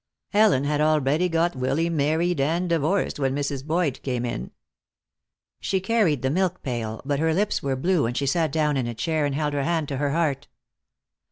Ellen had already got Willy married and divorced when Mrs. Boyd came in. She carried the milk pail, but her lips were blue and she sat down in a chair and held her hand to her heart.